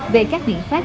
về các biện pháp